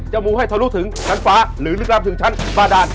มูให้ทะลุถึงชั้นฟ้าหรือลึกลับถึงชั้นบาดาน